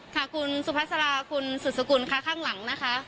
ค่ะคุณสุภาษาราคุณสุดสกุลค่ะข้างหลังนะคะ